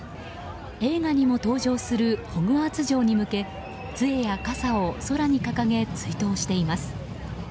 映画にも登場するホグワーツ城に向けつえや傘を空に掲げ追悼しています。